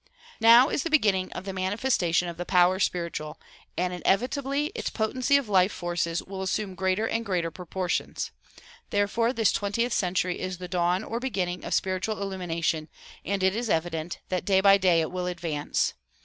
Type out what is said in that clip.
Now is the beginning of the manifestation of the power spiritual and inevitably its potency of life forces will assume greater and greater proportions. Therefore this twentieth century is the dawn or beginning of spiritual illumination and it is evident that day by day it will advance.